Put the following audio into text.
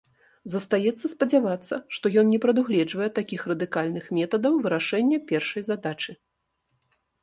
Застаецца спадзявацца, што ён не прадугледжвае такіх радыкальных метадаў вырашэння першай задачы.